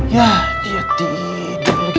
yah dia tidur lagi